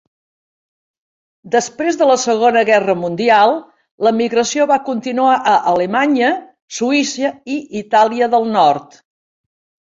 Després de la Segona Guerra Mundial, l'emigració va continuar a Alemanya, Suïssa i Itàlia del Nord.